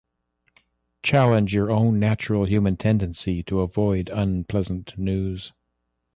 Challenge your own natural human tendency to avoid unpleasant news.